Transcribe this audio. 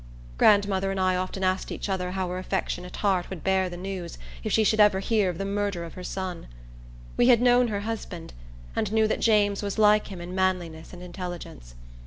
Grandmother and I often asked each other how her affectionate heart would bear the news, if she should ever hear of the murder of her son. We had known her husband, and knew that James was like him in manliness and intelligence.